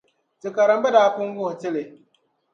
Ti karimba daa pun wuhi ti li.